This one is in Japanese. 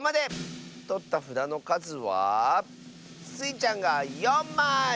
とったふだのかずはスイちゃんが４まい！